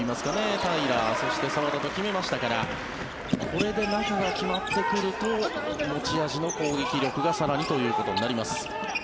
平良そして澤田と決めましたからこれで中が決まってくると持ち味の攻撃力が更にということになります。